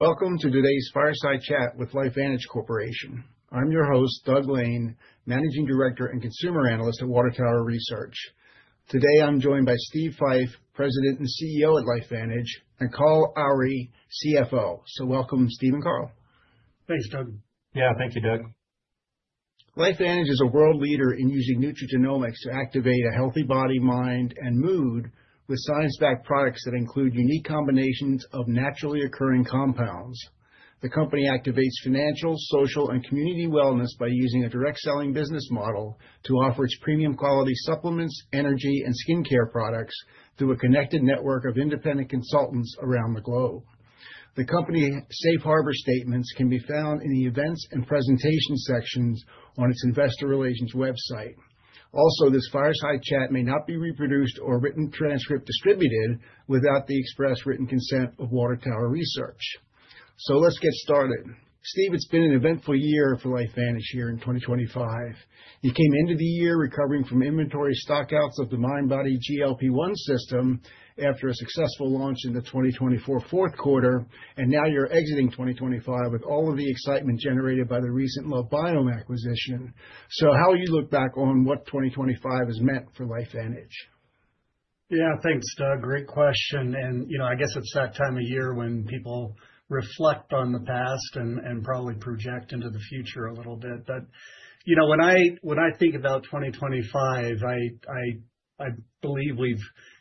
Welcome to today's Fireside Chat with LifeVantage Corporation. I'm your host, Doug Lane, Managing Director and Consumer Analyst at Water Tower Research. Today I'm joined by Steve Fife, President and CEO at LifeVantage, and Carl Aure, CFO. So welcome, Steve and Carl. Thanks, Doug. Yeah, thank you, Doug. LifeVantage is a world leader in using nutrigenomics to activate a healthy body, mind, and mood with science-backed products that include unique combinations of naturally occurring compounds. The company activates financial, social, and community wellness by using a direct-selling business model to offer its premium-quality supplements, energy, and skincare products through a connected network of independent consultants around the globe. The company's Safe Harbor statements can be found in the events and presentation sections on its investor relations website. Also, this fireside chat may not be reproduced or written transcript distributed without the express written consent of Water Tower Research. Let's get started. Steve, it's been an eventful year for LifeVantage here in 2025. You came into the year recovering from inventory stockouts of the MindBody GLP-1 System after a successful launch in the 2024 fourth quarter, and now you're exiting 2025 with all of the excitement generated by the recent LoveBiome acquisition. So how do you look back on what 2025 has meant for LifeVantage? Yeah, thanks, Doug. Great question, and you know, I guess it's that time of year when people reflect on the past and probably project into the future a little bit, but you know, when I think about 2025, I believe we've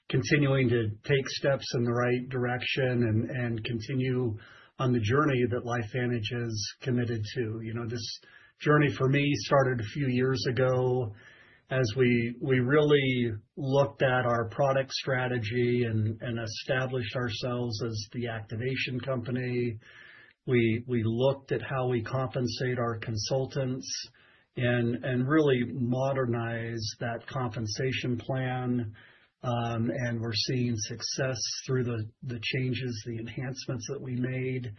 continuing to take steps in the right direction and continue on the journey that LifeVantage is committed to. You know, this journey for me started a few years ago as we really looked at our product strategy and established ourselves as the activation company. We looked at how we compensate our consultants and really modernize that compensation plan, and we're seeing success through the changes, the enhancements that we made,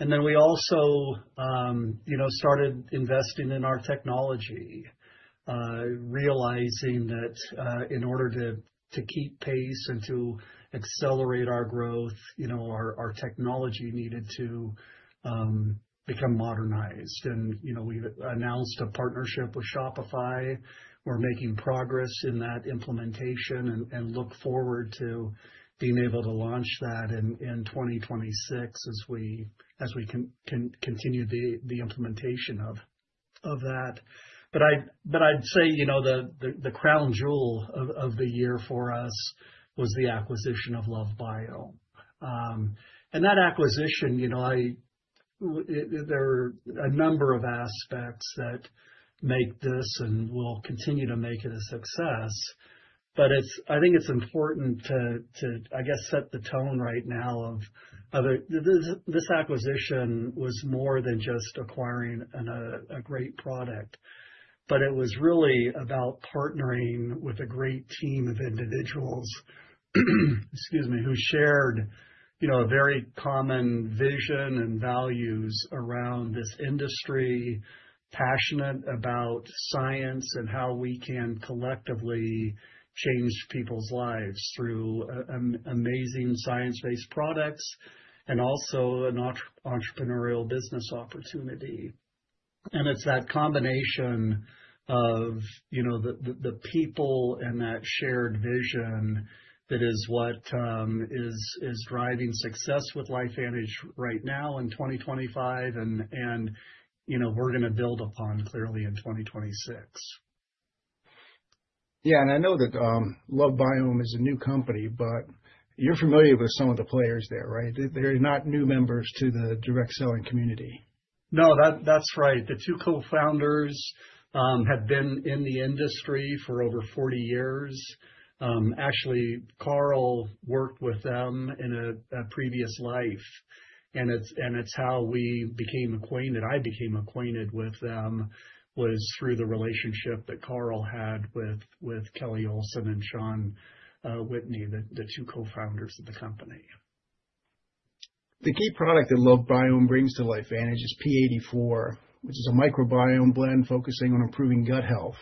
and then we also, you know, started investing in our technology, realizing that in order to keep pace and to accelerate our growth, you know, our technology needed to become modernized. You know, we've announced a partnership with Shopify. We're making progress in that implementation and look forward to being able to launch that in 2026 as we continue the implementation of that. I'd say, you know, the crown jewel of the year for us was the acquisition of LoveBiome. That acquisition, you know, there are a number of aspects that make this and will continue to make it a success. I think it's important to, I guess, set the tone right now of this acquisition was more than just acquiring a great product, but it was really about partnering with a great team of individuals, excuse me, who shared, you know, a very common vision and values around this industry, passionate about science and how we can collectively change people's lives through amazing science-based products and also an entrepreneurial business opportunity. It's that combination of, you know, the people and that shared vision that is what is driving success with LifeVantage right now in 2025 and, you know, we're going to build upon clearly in 2026. Yeah, and I know that LoveBiome is a new company, but you're familiar with some of the players there, right? They're not new members to the direct-selling community. No, that's right. The two co-founders have been in the industry for over 40 years. Actually, Carl worked with them in a previous life, and it's how I became acquainted with them through the relationship that Carl had with Kelly Olsen and Shon Whitney, the two co-founders of the company. The key product that LoveBiome brings to LifeVantage is P84, which is a microbiome blend focusing on improving gut health.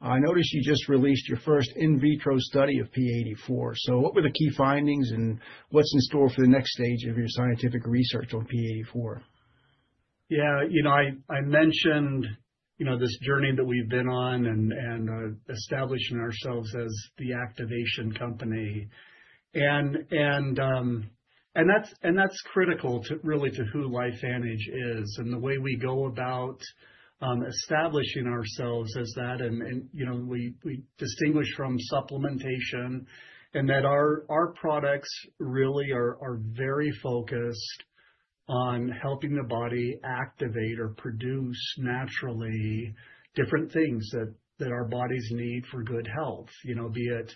I noticed you just released your first in vitro study of P84. So what were the key findings and what's in store for the next stage of your scientific research on P84? Yeah, you know, I mentioned, you know, this journey that we've been on and establishing ourselves as the activation company. And that's critical really to who LifeVantage is and the way we go about establishing ourselves as that. And, you know, we distinguish from supplementation in that our products really are very focused on helping the body activate or produce naturally different things that our bodies need for good health, you know, be it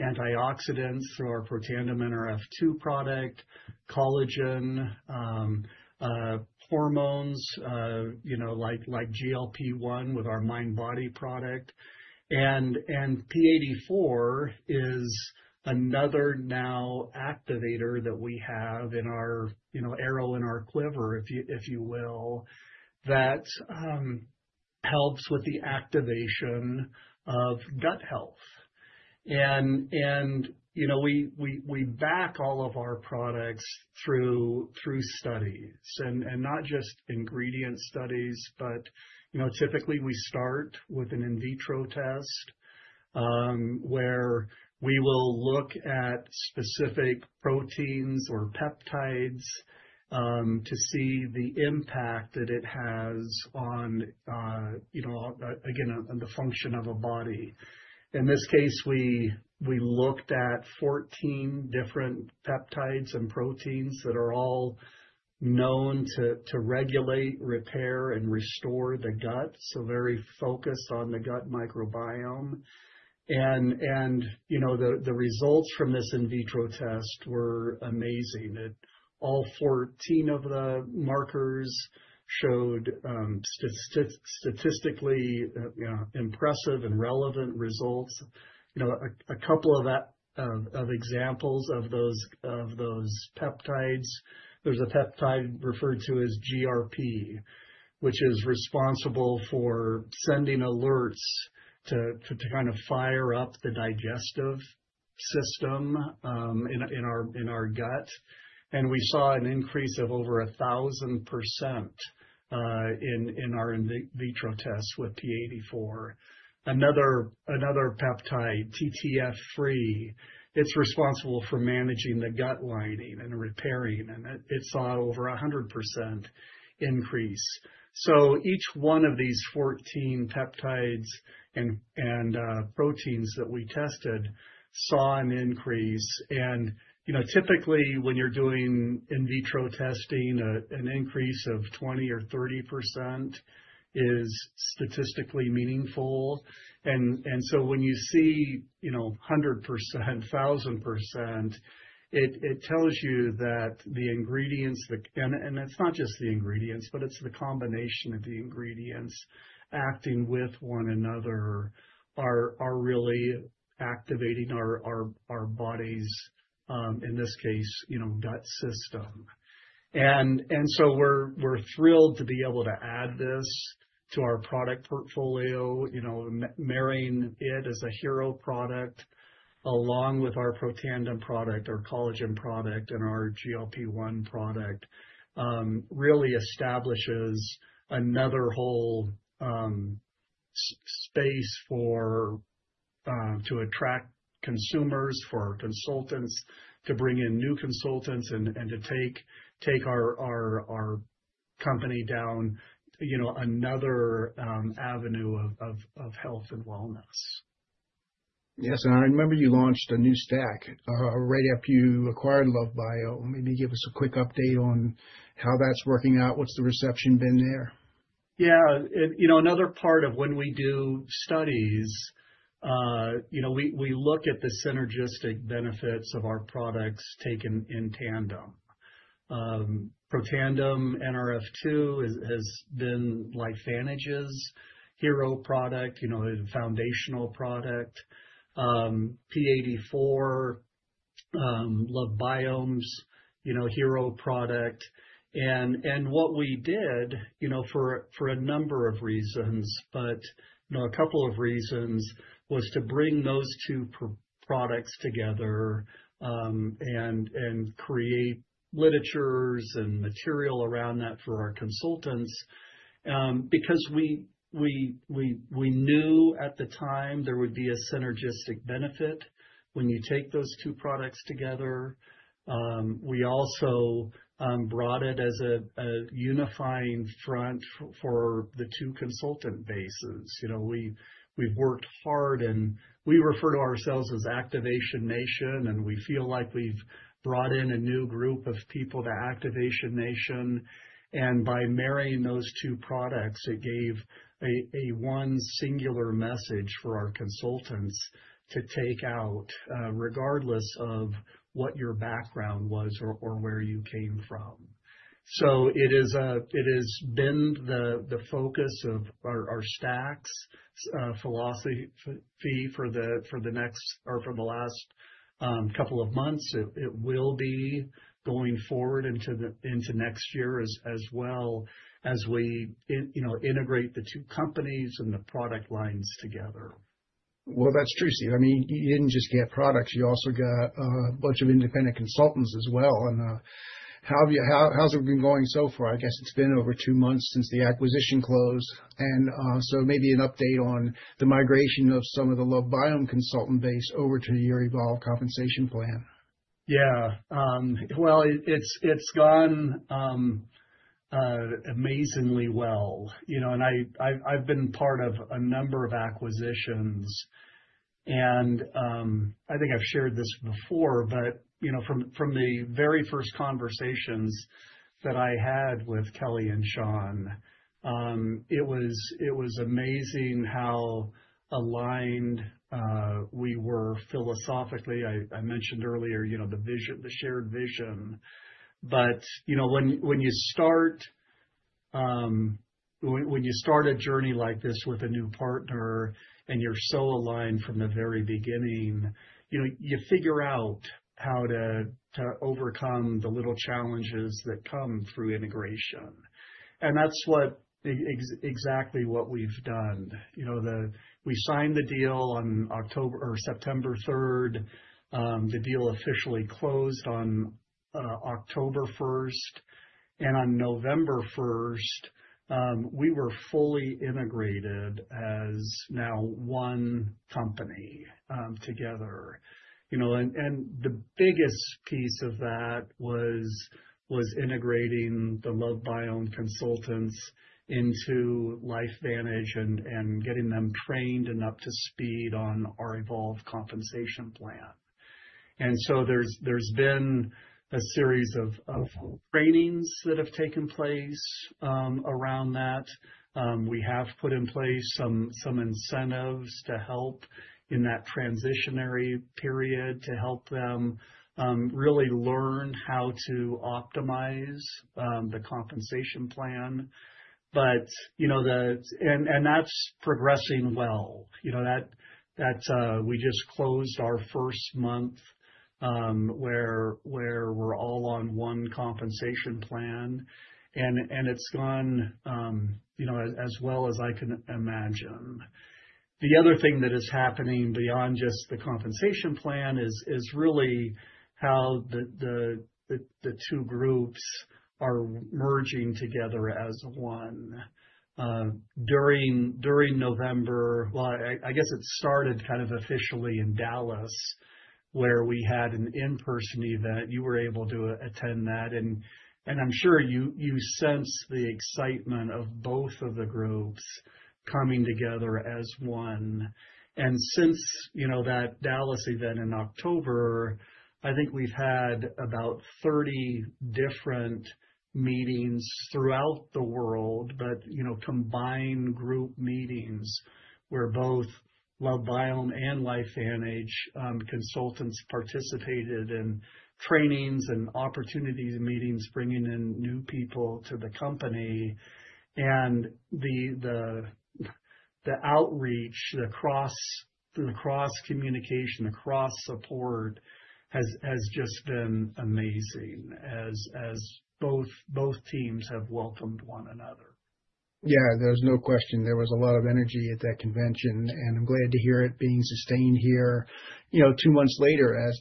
antioxidants through our Protandim Nrf2 product, collagen, hormones, you know, like GLP-1 with our MindBody product. And P84 is another now activator that we have in our, you know, arrow in our quiver, if you will, that helps with the activation of gut health. You know, we back all of our products through studies and not just ingredient studies, but, you know, typically we start with an in vitro test where we will look at specific proteins or peptides to see the impact that it has on, you know, again, the function of a body. In this case, we looked at 14 different peptides and proteins that are all known to regulate, repair, and restore the gut, very focused on the gut microbiome. You know, the results from this in vitro test were amazing. All 14 of the markers showed statistically impressive and relevant results. You know, a couple of examples of those peptides, there's a peptide referred to as GRP, which is responsible for sending alerts to kind of fire up the digestive system in our gut. We saw an increase of over 1,000% in our in vitro tests with P84. Another peptide, TFF3, it's responsible for managing the gut lining and repairing, and it saw over 100% increase. So each one of these 14 peptides and proteins that we tested saw an increase. And, you know, typically when you're doing in vitro testing, an increase of 20% or 30% is statistically meaningful. And so when you see, you know, 100%, 1,000%, it tells you that the ingredients, and it's not just the ingredients, but it's the combination of the ingredients acting with one another are really activating our body's, in this case, you know, gut system. We're thrilled to be able to add this to our product portfolio, you know, marrying it as a hero product along with our Protandim product, our collagen product, and our GLP-1 product. Really establishes another whole space to attract consumers, for our consultants to bring in new consultants and to take our company down, you know, another avenue of health and wellness. Yes. And I remember you launched a new stack right after you acquired LoveBiome. Maybe give us a quick update on how that's working out. What's the reception been there? Yeah. You know, another part of when we do studies, you know, we look at the synergistic benefits of our products taken in tandem. Protandim Nrf2 has been LifeVantage's hero product, you know, a foundational product. P84, LoveBiome's, you know, hero product. And what we did, you know, for a number of reasons, but, you know, a couple of reasons was to bring those two products together and create literature and material around that for our consultants because we knew at the time there would be a synergistic benefit when you take those two products together. We also brought it as a unifying front for the two consultant bases. You know, we've worked hard and we refer to ourselves as Activation Nation, and we feel like we've brought in a new group of people to Activation Nation. And by marrying those two products, it gave a one singular message for our consultants to take out regardless of what your background was or where you came from. So it has been the focus of our stacks philosophy for the next or for the last couple of months. It will be going forward into next year as well as we, you know, integrate the two companies and the product lines together. That's true, Steve. I mean, you didn't just get products. You also got a bunch of independent consultants as well. And how's it been going so far? I guess it's been over two months since the acquisition closed. And so maybe an update on the migration of some of the LoveBiome consultant base over to the Evolve Compensation Plan. Yeah. Well, it's gone amazingly well. You know, and I've been part of a number of acquisitions, and I think I've shared this before, but, you know, from the very first conversations that I had with Kelly and Shon, it was amazing how aligned we were philosophically. I mentioned earlier, you know, the shared vision, but, you know, when you start a journey like this with a new partner and you're so aligned from the very beginning, you know, you figure out how to overcome the little challenges that come through integration, and that's exactly what we've done. You know, we signed the deal on October or September 3rd. The deal officially closed on October 1st, and on November 1st, we were fully integrated as now one company together. You know, and the biggest piece of that was integrating the LoveBiome consultants into LifeVantage and getting them trained and up to speed on our Evolve Compensation Plan. And so there's been a series of trainings that have taken place around that. We have put in place some incentives to help in that transitionary period to help them really learn how to optimize the compensation plan. But, you know, and that's progressing well. You know, we just closed our first month where we're all on one compensation plan. And it's gone, you know, as well as I can imagine. The other thing that is happening beyond just the compensation plan is really how the two groups are merging together as one. During November, well, I guess it started kind of officially in Dallas where we had an in-person event. You were able to attend that. I'm sure you sense the excitement of both of the groups coming together as one. Since, you know, that Dallas event in October, I think we've had about 30 different meetings throughout the world, but, you know, combined group meetings where both LoveBiome and LifeVantage consultants participated in trainings and opportunities and meetings bringing in new people to the company. The outreach, the cross-communication, the cross-support has just been amazing as both teams have welcomed one another. Yeah, there's no question. There was a lot of energy at that convention. And I'm glad to hear it being sustained here, you know, two months later as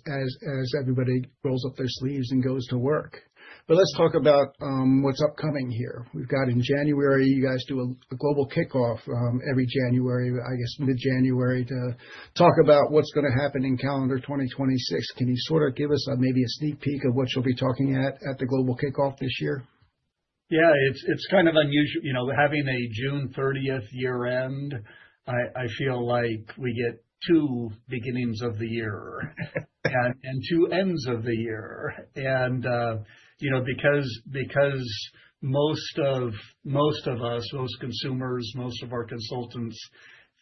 everybody rolls up their sleeves and goes to work. But let's talk about what's upcoming here. We've got in January, you guys do a global kickoff every January, I guess mid-January to talk about what's going to happen in calendar 2026. Can you sort of give us maybe a sneak peek of what you'll be talking at the global kickoff this year? Yeah, it's kind of unusual, you know, having a June 30th year-end. I feel like we get two beginnings of the year and two ends of the year. You know, because most of us, most consumers, most of our consultants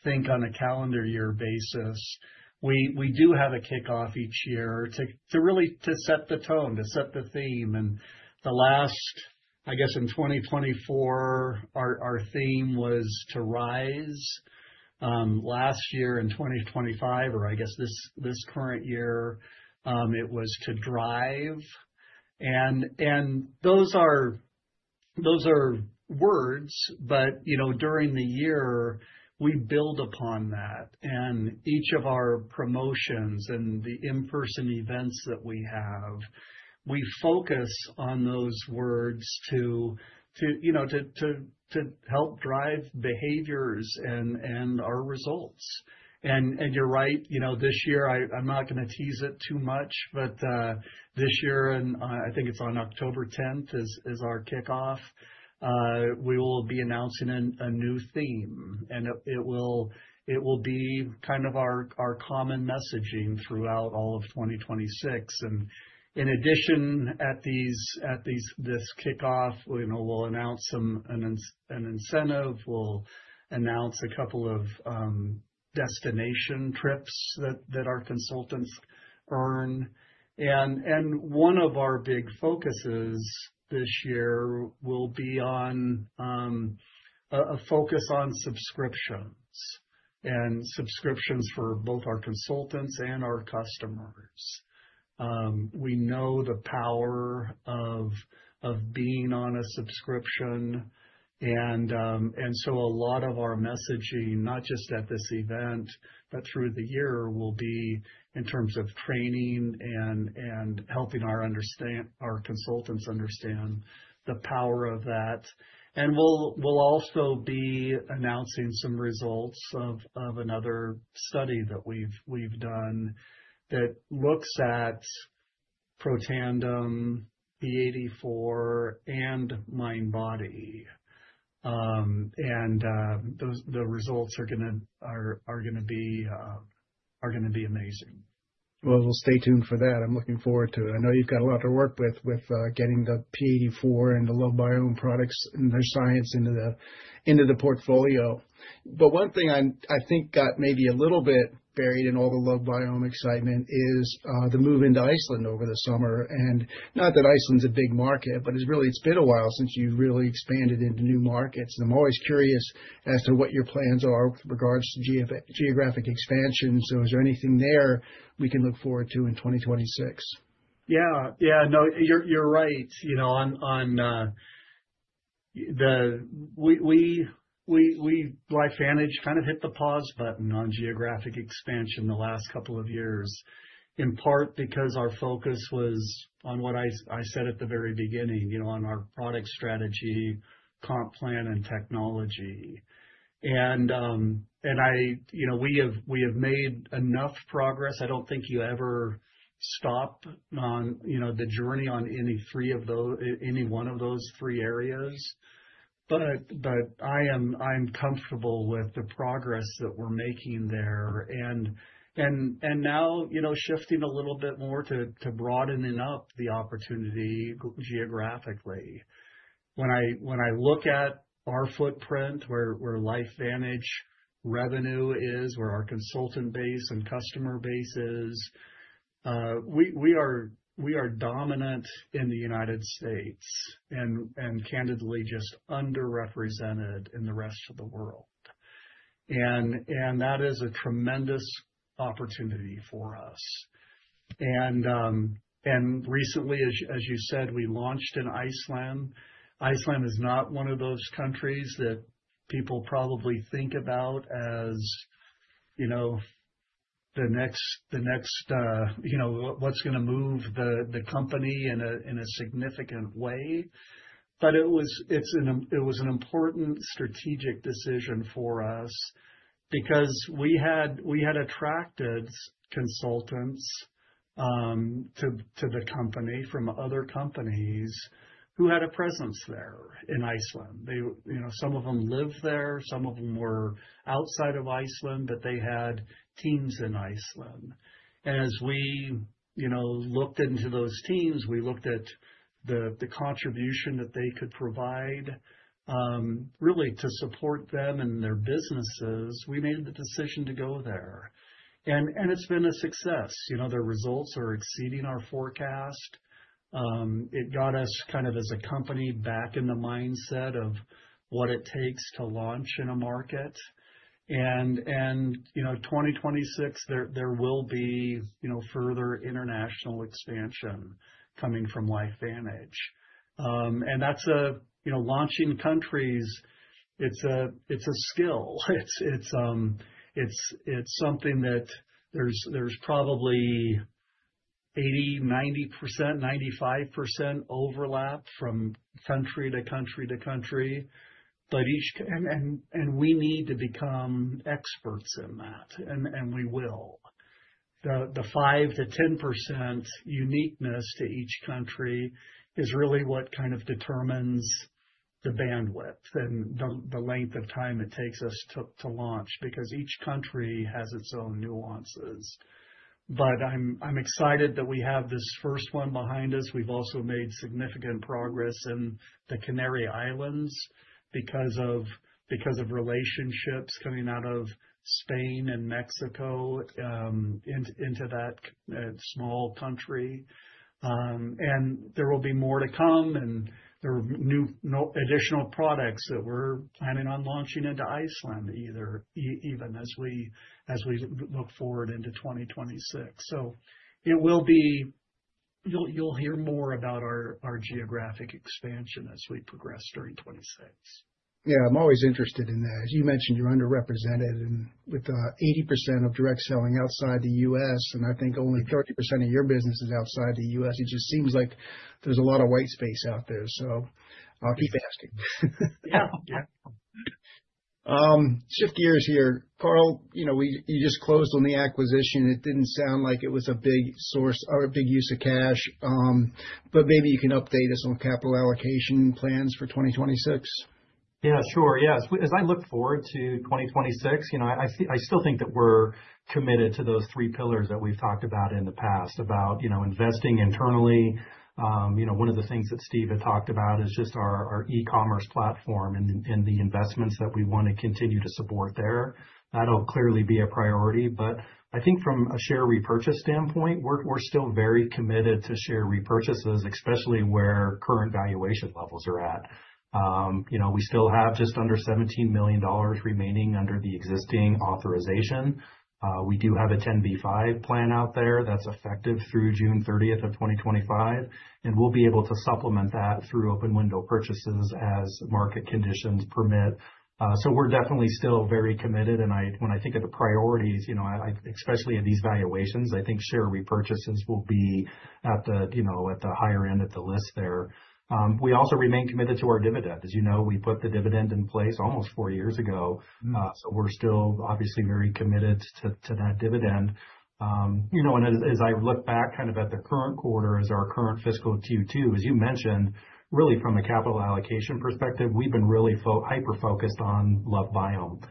think on a calendar year basis, we do have a kickoff each year to really set the tone, to set the theme. In 2024, our theme was to rise. Last year in 2025, or I guess this current year, it was to drive. Those are words, but, you know, during the year, we build upon that. Each of our promotions and the in-person events that we have, we focus on those words to, you know, to help drive behaviors and our results. And you're right, you know, this year. I'm not going to tease it too much, but this year, and I think it's on October 10th, is our kickoff. We will be announcing a new theme. And it will be kind of our common messaging throughout all of 2026. And in addition, at this kickoff, we'll announce an incentive. We'll announce a couple of destination trips that our consultants earn. And one of our big focuses this year will be a focus on subscriptions and subscriptions for both our consultants and our customers. We know the power of being on a subscription. And so a lot of our messaging, not just at this event, but through the year, will be in terms of training and helping our consultants understand the power of that. And we'll also be announcing some results of another study that we've done that looks at Protandim, P84, and MindBody. And the results are going to be amazing. We'll stay tuned for that. I'm looking forward to it. I know you've got a lot to work with getting the P84 and the LoveBiome products and their science into the portfolio. One thing I think got maybe a little bit buried in all the LoveBiome excitement is the move into Iceland over the summer. Not that Iceland's a big market, but it's really been a while since you've really expanded into new markets. I'm always curious as to what your plans are with regards to geographic expansion. Is there anything there we can look forward to in 2026? Yeah. Yeah. No, you're right. You know, LifeVantage kind of hit the pause button on geographic expansion the last couple of years, in part because our focus was on what I said at the very beginning, you know, on our product strategy, comp plan, and technology. And I, you know, we have made enough progress. I don't think you ever stop on, you know, the journey on any one of those three areas. But I'm comfortable with the progress that we're making there. And now, you know, shifting a little bit more to broadening up the opportunity geographically. When I look at our footprint, where LifeVantage revenue is, where our consultant base and customer base is, we are dominant in the United States and candidly just underrepresented in the rest of the world. And that is a tremendous opportunity for us. And recently, as you said, we launched in Iceland. Iceland is not one of those countries that people probably think about as, you know, the next, you know, what's going to move the company in a significant way, but it was an important strategic decision for us because we had attracted consultants to the company from other companies who had a presence there in Iceland. You know, some of them lived there. Some of them were outside of Iceland, but they had teams in Iceland. And as we, you know, looked into those teams, we looked at the contribution that they could provide really to support them and their businesses. We made the decision to go there, and it's been a success. You know, their results are exceeding our forecast. It got us kind of as a company back in the mindset of what it takes to launch in a market. You know, 2026, there will be, you know, further international expansion coming from LifeVantage. That's a, you know, launching countries. It's a skill. It's something that there's probably 80%-95% overlap from country to country to country. But each, and we need to become experts in that. We will. The 5%-10% uniqueness to each country is really what kind of determines the bandwidth and the length of time it takes us to launch because each country has its own nuances. But I'm excited that we have this first one behind us. We've also made significant progress in the Canary Islands because of relationships coming out of Spain and Mexico into that small country. There will be more to come. There are additional products that we're planning on launching into Iceland even as we look forward into 2026. So it will be, you'll hear more about our geographic expansion as we progress during 2026. Yeah, I'm always interested in that. As you mentioned, you're underrepresented with 80% of direct selling outside the U.S.. And I think only 30% of your business is outside the U.S.. It just seems like there's a lot of white space out there. So I'll keep asking. Yeah. Shift gears here. Carl, you know, you just closed on the acquisition. It didn't sound like it was a big source or a big use of cash. But maybe you can update us on capital allocation plans for 2026? Yeah, sure. Yeah. As I look forward to 2026, you know, I still think that we're committed to those three pillars that we've talked about in the past about, you know, investing internally. You know, one of the things that Steve had talked about is just our e-commerce platform and the investments that we want to continue to support there. That'll clearly be a priority, but I think from a share repurchase standpoint, we're still very committed to share repurchases, especially where current valuation levels are at. You know, we still have just under $17 million remaining under the existing authorization. We do have a 10b5-1 plan out there that's effective through June 30th of 2025, and we'll be able to supplement that through open window purchases as market conditions permit, so we're definitely still very committed. When I think of the priorities, you know, especially at these valuations, I think share repurchases will be at the, you know, at the higher end of the list there. We also remain committed to our dividend. As you know, we put the dividend in place almost four years ago. We're still obviously very committed to that dividend. You know, and as I look back kind of at the current quarter, as our current fiscal Q2, as you mentioned, really from a capital allocation perspective, we've been really hyper-focused on LoveBiome.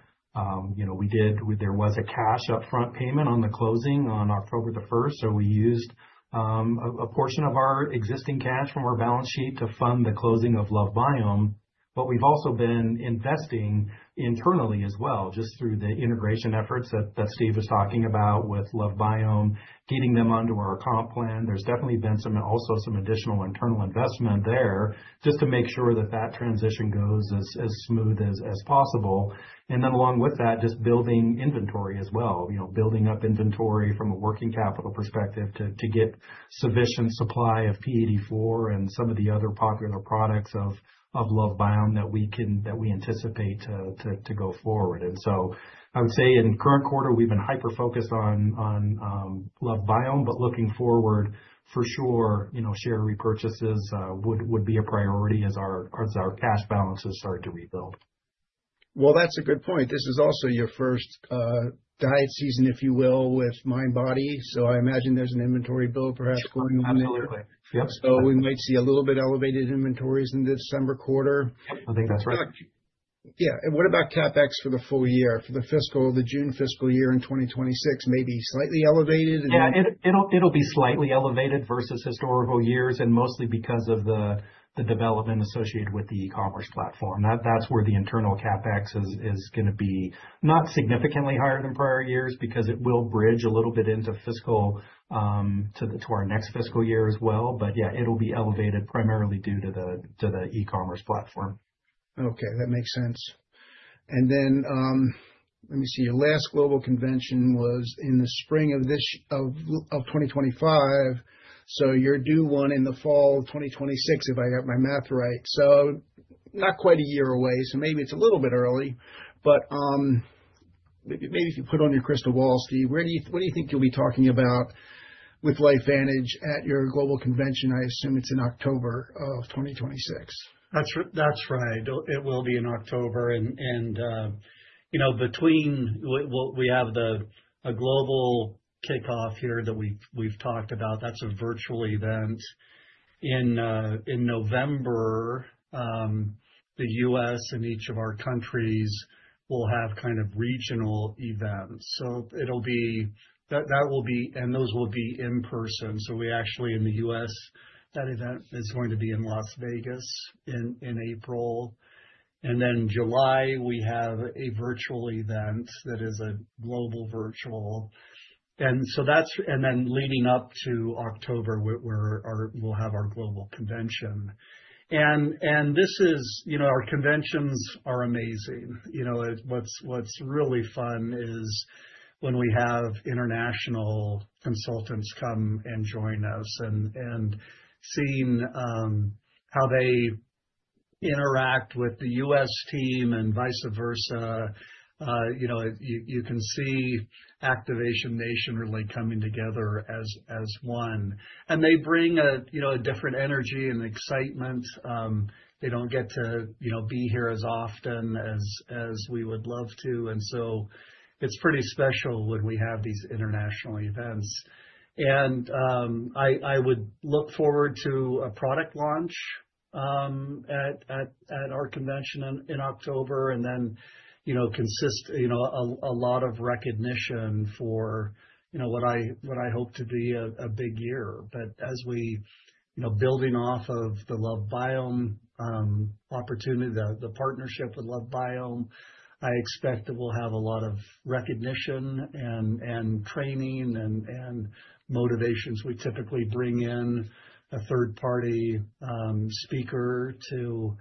You know, we did, there was a cash upfront payment on the closing on October the 1st. We used a portion of our existing cash from our balance sheet to fund the closing of LoveBiome. But we've also been investing internally as well, just through the integration efforts that Steve was talking about with LoveBiome, getting them onto our comp plan. There's definitely been also some additional internal investment there just to make sure that that transition goes as smooth as possible. And then along with that, just building inventory as well, you know, building up inventory from a working capital perspective to get sufficient supply of P84 and some of the other popular products of LoveBiome that we anticipate to go forward. And so I would say in current quarter, we've been hyper-focused on LoveBiome, but looking forward for sure, you know, share repurchases would be a priority as our cash balances start to rebuild. That's a good point. This is also your first diet season, if you will, with MindBody. I imagine there's an inventory build perhaps going on there. Absolutely. Yep. So we might see a little bit elevated inventories in the December quarter. I think that's right. Yeah. And what about CapEx for the full year for the fiscal, the June fiscal year in 2026, maybe slightly elevated? Yeah, it'll be slightly elevated versus historical years and mostly because of the development associated with the e-commerce platform. That's where the internal CapEx is going to be not significantly higher than prior years because it will bridge a little bit into fiscal to our next fiscal year as well. But yeah, it'll be elevated primarily due to the e-commerce platform. Okay. That makes sense. And then let me see. Your last global convention was in the spring of 2025. So you're due one in the fall of 2026, if I got my math right. So not quite a year away. So maybe it's a little bit early. But maybe if you put on your crystal ball, Steve, what do you think you'll be talking about with LifeVantage at your global convention? I assume it's in October of 2026. That's right. It will be in October, and you know, between what we have the global kickoff here that we've talked about, that's a virtual event. In November, the U.S. and each of our countries will have kind of regional events, so it'll be, that will be, and those will be in person, so we actually in the U.S., that event is going to be in Las Vegas in April, and then July, we have a virtual event that is a global virtual, and so that's, and then leading up to October, we'll have our global convention, and this is, you know, our conventions are amazing. You know, what's really fun is when we have international consultants come and join us and seeing how they interact with the U.S. team and vice versa. You know, you can see Activation Nation really coming together as one. They bring a, you know, a different energy and excitement. They don't get to, you know, be here as often as we would love to. So it's pretty special when we have these international events. I would look forward to a product launch at our convention in October and then, you know, a lot of recognition for, you know, what I hope to be a big year. As we, you know, building off of the LoveBiome opportunity, the partnership with LoveBiome, I expect that we'll have a lot of recognition and training and motivations. We typically bring in a third-party speaker to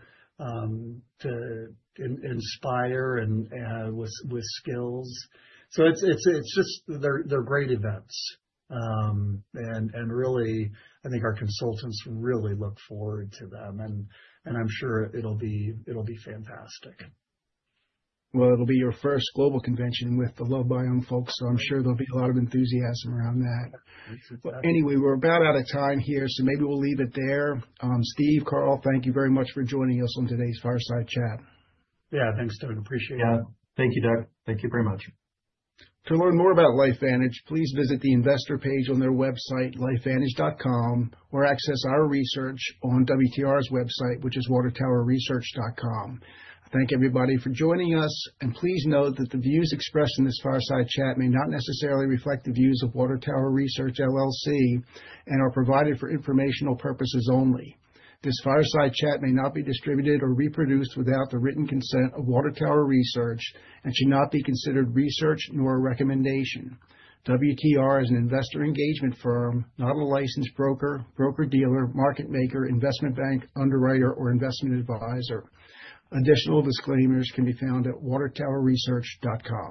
inspire and with skills. It's just, they're great events. Really, I think our consultants really look forward to them. I'm sure it'll be fantastic. It'll be your first global convention with the LoveBiome folks. I'm sure there'll be a lot of enthusiasm around that. Anyway, we're about out of time here. Maybe we'll leave it there. Steve, Carl, thank you very much for joining us on today's fireside chat. Yeah, thanks, Doug. Appreciate it. Yeah. Thank you, Doug. Thank you very much. To learn more about LifeVantage, please visit the investor page on their website, LifeVantage.com, or access our research on WTR's website, which is watertowerresearch.com. Thank everybody for joining us. Please note that the views expressed in this fireside chat may not necessarily reflect the views of Water Tower Research LLC and are provided for informational purposes only. This fireside chat may not be distributed or reproduced without the written consent of Water Tower Research and should not be considered research nor a recommendation. WTR is an investor engagement firm, not a licensed broker, broker-dealer, market maker, investment bank, underwriter, or investment advisor. Additional disclaimers can be found at watertowerresearch.com.